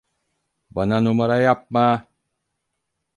Bana numara yapma.